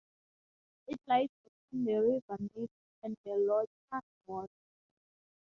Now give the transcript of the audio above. It lies between the River Nith and the Lochar Water.